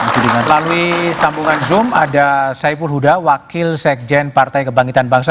melalui sambungan zoom ada saiful huda wakil sekjen partai kebangkitan bangsa